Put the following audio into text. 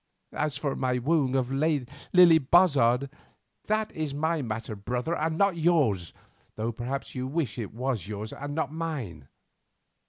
As for my wooing of Lily Bozard, that is my matter, brother, and not yours, though perhaps you wish that it was yours and not mine.